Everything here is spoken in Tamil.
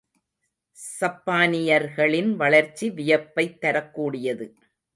சப்பானியர்களின் வளர்ச்சி வியப்பைத் தரக்கூடியது.